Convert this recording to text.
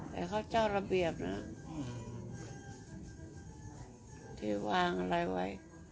แต่เขาเจ้าระเบียบนะที่ว่าวางอะไรไว้